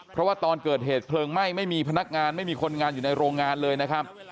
เพราะว่าตอนเกิดเหตุเพลิงไหม้ไม่มีพนักงานไม่มีคนงานอยู่ในโรงงานเลยนะครับ